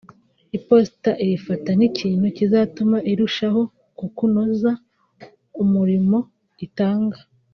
iposita irifata nk’ikintu kizatuma irushaho mu kunoza umurimo itanga